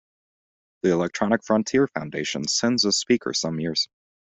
The Electronic Frontier Foundation sends a speaker some years.